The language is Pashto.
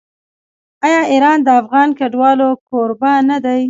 آیا ایران د افغان کډوالو کوربه نه دی؟